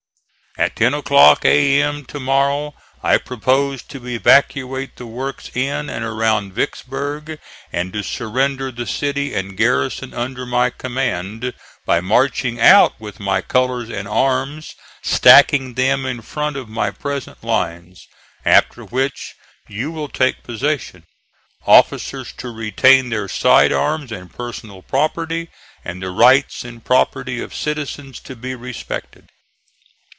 At ten o'clock A.M. to morrow, I propose to evacuate the works in and around Vicksburg, and to surrender the city and garrison under my command, by marching out with my colors and arms, stacking them in front of my present lines. After which you will take possession. Officers to retain their side arms and personal property, and the rights and property of citizens to be respected."